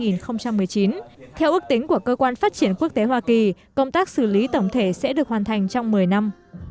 năm hai nghìn một mươi chín theo ước tính của cơ quan phát triển quốc tế hoa kỳ công tác xử lý tổng thể sẽ được hoàn thành trong một mươi năm